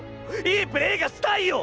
いいプレーがしたいよ！